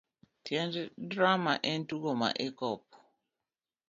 Tiend drama en tugo ma ikopo.